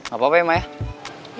gak apa apa ya pak ya